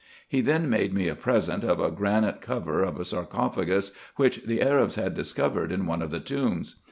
He then made me a present of a granite cover of a sarcophagus, which the Arabs had discovered in one of the tombs.